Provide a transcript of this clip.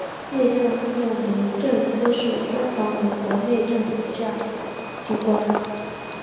内政部民政司是中华民国内政部下属机关。